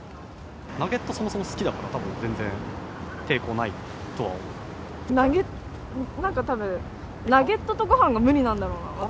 ナゲット、そもそも好きだから、ナゲット、なんかたぶん、ナゲットとごはんが無理なんだろうな、私。